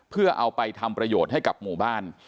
เพื่อเอาไปทำประโยชน์ให้กับหมู่บ้าน